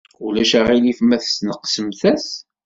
Ulac aɣilif ma tesneqsemt-as?